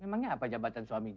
memangnya apa jabatan suaminya